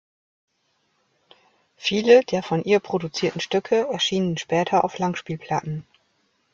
Viele der von ihr produzierten Stücke erschienen später auf Langspielplatten.